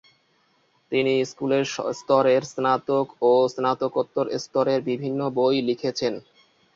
তিনি স্কুল স্তরের, স্নাতক ও স্নাতকোত্তর স্তরের বিভিন্ন বই লিখেছেন।